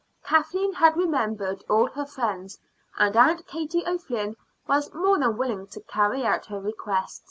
Kathleen had remembered all her friends, and Aunt Katie O'Flynn was more than willing to carry out her request.